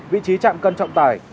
vị trí chạm cân trọng tải